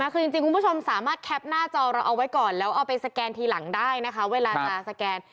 คือจริงคุณผู้ชมสามารถแคปหน้าจอเราเอาไว้ก่อนแล้วเอาไปสแกนทีหลังได้นะคะเวลาจะสแกน